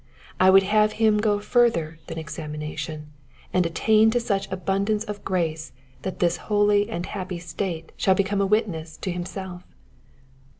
I would have him go further than examination, and attain to such abundance of grace that his holy and happy state shall be come a witness to himself.